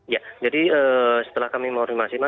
ya jadi setelah kami mengorimasinya